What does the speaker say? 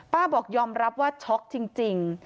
บอกยอมรับว่าช็อกจริง